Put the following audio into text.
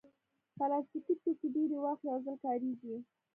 پلاستيکي توکي ډېری وخت یو ځل کارېږي.